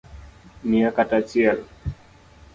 Mia kata achiel